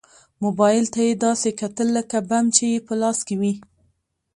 موبايل ته يې داسې کتل لکه بم چې يې په لاس کې وي.